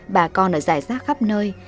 bà con ở rải rác khắp nơi